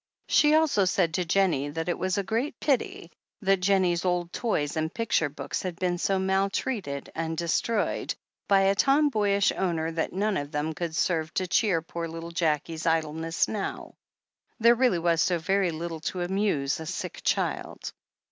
She also said to Jennie that it was a great pity that Jennie's old toys and picture books had been so mal treated and destroyed by a tomboyish owner that none of them could serve to cheer poor little Jackie's idle ness now. There really was so very little to amuse a sick child.